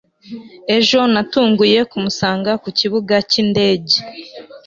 Ejo natunguye kumusanga ku kibuga cyindege